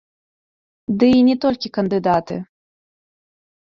Ды і не толькі кандыдаты.